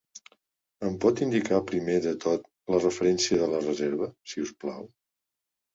Em pot indicar primer de tot la referència de la reserva, si us plau?